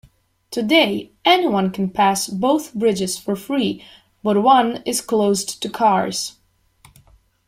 Today, anyone can pass both bridges for free, but one is closed to cars.